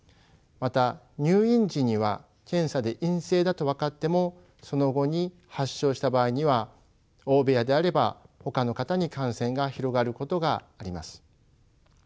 また入院時には検査で陰性だと分かってもその後に発症した場合には大部屋であればほかの方に感染が広がることがあります。